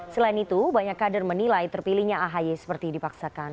selain itu banyak kader menilai terpilihnya ahy seperti dipaksakan